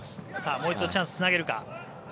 もう一度チャンスをつなげるか。